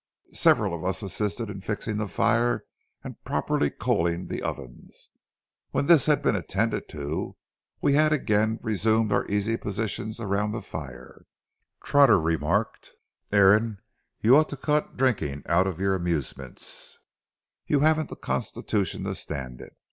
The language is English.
Several of us assisted in fixing the fire and properly coaling the ovens. When this had been attended to, and we had again resumed our easy positions around the fire, Trotter remarked: "Aaron, you ought to cut drinking out of your amusements; you haven't the constitution to stand it.